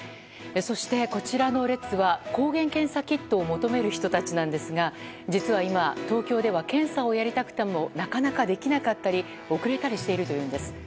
そして、こちらの列は抗原検査キットを求める人たちなんですが実は今東京では検査をやりたくてもなかなかできなかったり遅れたりしているというんです。